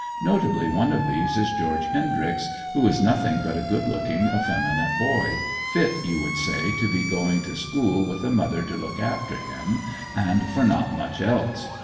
Notably one of these is George Hendryx, who is nothing but a good looking, effeminate boy, fit, you would say, to be going to school with a mother to look after him, and for not much else.